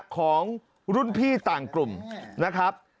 ของรุ่นพี่ต่างกลุ่มนะครับ